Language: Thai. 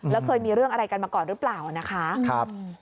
แล้วเคยมีเรื่องอะไรกันมาก่อนหรือเปล่านะคะ